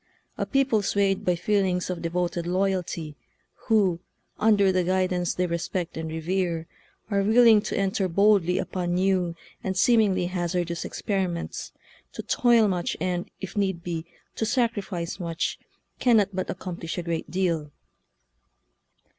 A people swayed by feelings of devoted loyalty, who, under the guidance they respect and revere, are willing to enter boldly upon new and seem ingly hazardous experiments, to toil much and, if need be, to sacrifice much, cannot but accomplish a great deal